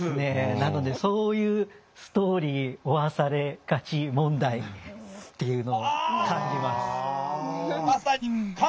なのでそういう「ストーリー負わされがち問題」っていうのを感じます。